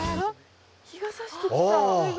日が差してきた。